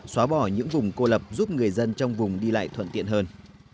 xóa bỏ những vùng cô lập giúp người dân trong vùng đi lại thuận tiện hơn